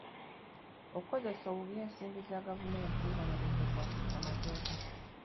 Okukozesa obubi ensimbi za gavumenti kibonerezebwa mu mateeka.